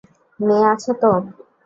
মেয়ে আছে তো?